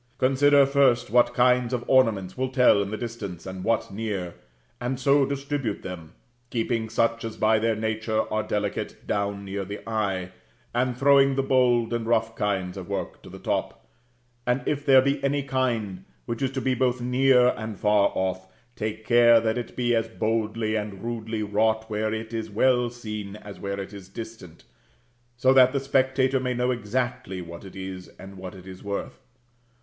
Consider, first, what kinds of ornaments will tell in the distance and what near, and so distribute them, keeping such as by their nature are delicate, down near the eye, and throwing the bold and rough kinds of work to the top; and if there be any kind which is to be both near and far off, take care that it be as boldly and rudely wrought where it is well seen as where it is distant, so that the spectator may know exactly what it is, and what it is worth.